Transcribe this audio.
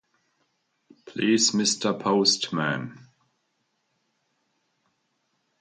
He was the last surviving child of Ulysses S. Grant.